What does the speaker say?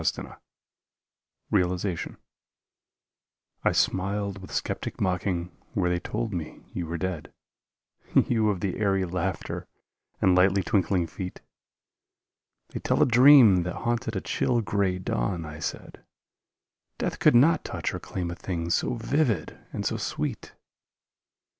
144 REALIZATION I SMILED with skeptic mocking where they told me you were dead, You of the airy laughter and lightly twinkling feet ; "They tell a dream that haunted a chill gray dawn," I said, "Death could not touch or claim a thing so vivid and so sweet!"